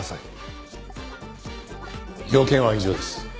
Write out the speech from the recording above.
用件は以上です。